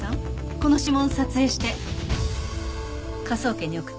この指紋撮影して科捜研に送って。